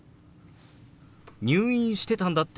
「入院してたんだって？